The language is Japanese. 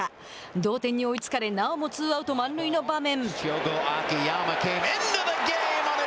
同点に追いつかれなおもツーアウト、満塁の場面。